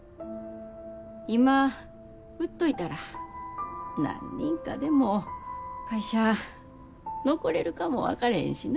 今売っといたら何人かでも会社残れるかも分かれへんしな。